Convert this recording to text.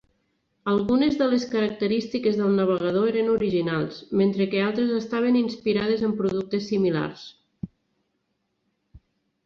Algunes de les característiques del navegador eren originals, mentre que altres estaven inspirades en productes similars.